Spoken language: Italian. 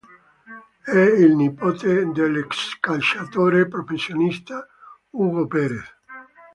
È il nipote dell'ex calciatore professionista Hugo Pérez.